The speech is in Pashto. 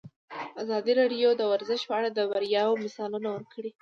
ازادي راډیو د ورزش په اړه د بریاوو مثالونه ورکړي.